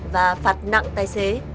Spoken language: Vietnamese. và phạt nặng tài xế